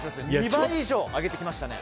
２倍以上、上げてきましたね。